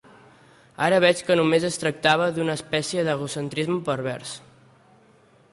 Ara veig que només es tractava d'una espècie d'egocentrisme pervers.